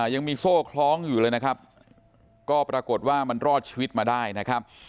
ยังมีโซ่คล้องอยู่เลยนะครับก็ปรากฏว่ามันรอดชีวิตมาได้นะครับ